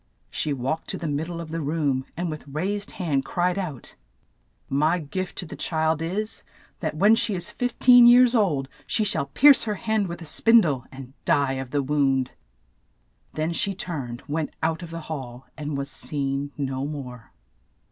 She walked to the mid die of the room, and with raised hand cried out, ''My gift to the child is — that when she is fif teen years old, she shall pierce her hand with a spin die, and die of the wound." Then she turned, went out of the hall, and was seen no more.